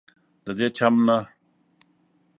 ددې چم نه